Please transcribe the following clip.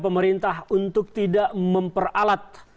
pemerintah untuk tidak memperalat